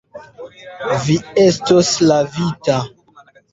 Vi estos lavita.